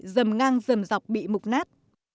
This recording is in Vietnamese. dầm ngang dầm dọc bị mục nát